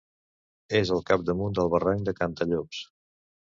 És al capdamunt del barranc de Cantallops.